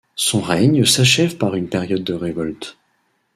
Son règne s'achève par une période de révoltes.